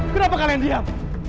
kenapa kalian diam